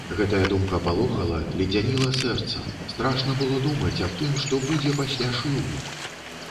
Гэтая думка палохала, ледзяніла сэрца, страшна было думаць аб тым, што будзе пасля шлюбу.